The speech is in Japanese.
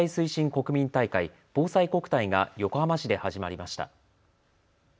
国民大会、ぼうさいこくたいが横浜市で始まりました。